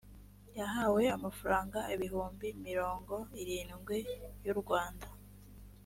yahawe amafaranga ibihumbi mirongo irindwi y’u rwanda